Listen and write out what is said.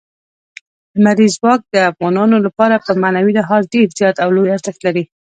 لمریز ځواک د افغانانو لپاره په معنوي لحاظ ډېر زیات او لوی ارزښت لري.